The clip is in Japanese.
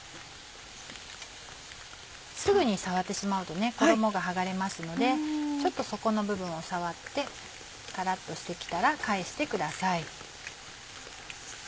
すぐに触ってしまうと衣が剥がれますのでちょっと底の部分を触ってカラっとしてきたら返してください。